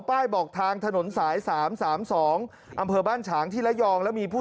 บอกทางถนนสาย๓๓๒อำเภอบ้านฉางที่ระยองแล้วมีผู้